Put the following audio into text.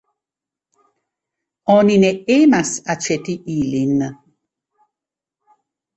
Oni ne emas aĉeti ilin.